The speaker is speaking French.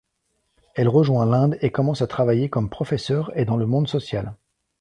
Elle rejoint l'Inde et commence à travailler comme professeur et dans le monde social.